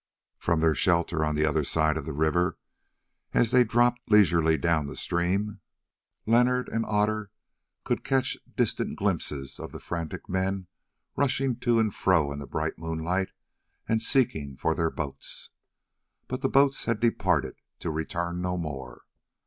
From their shelter on the other side of the river, as they dropped leisurely down the stream, Leonard and Otter could catch distant glimpses of the frantic men rushing to and fro in the bright moonlight and seeking for their boats. But the boats had departed to return no more.